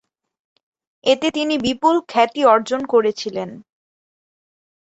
এতে তিনি বিপুল খ্যাতি অর্জন করেছিলেন।